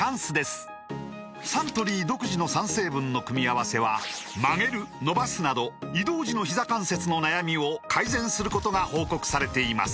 サントリー独自の３成分の組み合わせは曲げる伸ばすなど移動時のひざ関節の悩みを改善することが報告されています